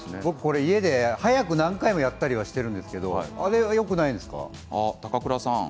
家で早く何回もやったりしてるんですがよくないですか。